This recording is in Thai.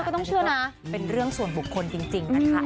ก็ต้องเชื่อนะเป็นเรื่องส่วนบุคคลจริงนะคะ